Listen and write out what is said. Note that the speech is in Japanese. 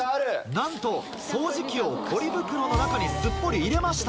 なんと掃除機をポリ袋の中にすっぽり入れました。